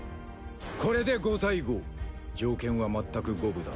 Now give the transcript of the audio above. これで５対５条件はまったく五分だ。